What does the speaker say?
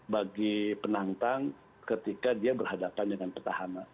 bagi penantang ketika dia berhadapan dengan petahana